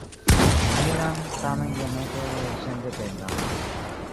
Humilan, tamen iomete sendependan.